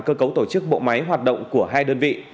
cơ cấu tổ chức bộ máy hoạt động của hai đơn vị